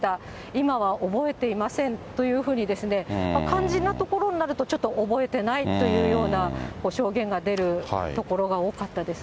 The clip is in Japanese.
今は覚えていませんというふうに、肝心なところになると、ちょっと覚えてないというような証言が出るところが多かったです